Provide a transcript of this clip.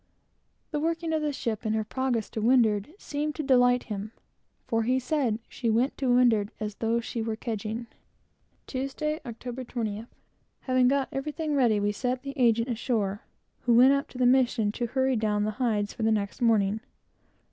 The working of the ship, and her progress to windward, seemed to delight him, for he said she went to windward as though she were kedging. Tuesday, Oct. 20th. Having got everything ready, we set the agent ashore, who went up to the mission to hasten down the hides for the next morning.